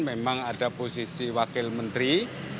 memang ada beberapa wakil menteri yang masih belum terisi